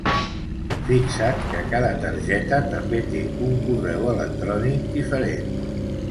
Fixa't que cada targeta també té un correu electrònic diferent.